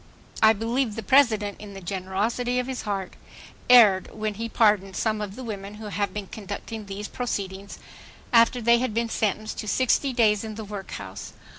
"I believe the President, in the generosity of his heart, erred when he pardoned some of the women who have been conducting these proceedings, after they had been sentenced to 60 days in the workhouse.